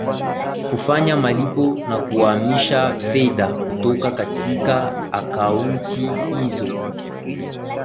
kufanya malipo na kuhamisha fedha kutoka katika akaunti hizo